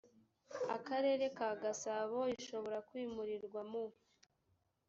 akarere ka gasabo ishobora kwimurirwa mu